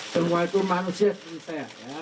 semua itu manusia seperti saya